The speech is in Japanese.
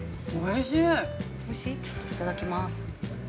いただきます。